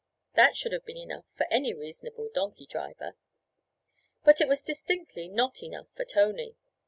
That should have been enough for any reasonable donkey driver. But it was distinctly not enough for Tony.